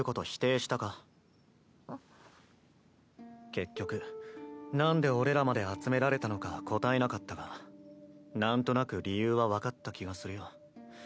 結局なんで俺らまで集められたのか答えなかったがなんとなく理由は分かった気がするよ。